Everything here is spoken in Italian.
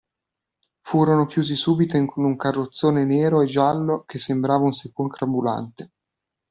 Furono chiusi subito in un carrozzone nero e giallo che sembrava un sepolcro ambulante.